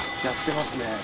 やってますね。